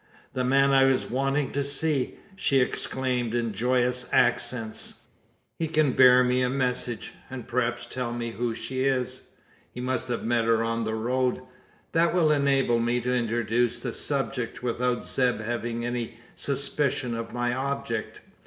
"The man I was wanting to see!" she exclaimed in joyous accents. "He can bear me a message; and perhaps tell who she is. He must have met her on the road. That will enable me to introduce the subject, without Zeb having any suspicion of my object.